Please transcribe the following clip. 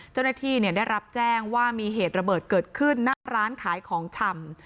เจ้าหน้าที่ได้รับแจ้งว่ามีเหตุระเบิดเกิดขึ้นหน้าร้านขายของชำ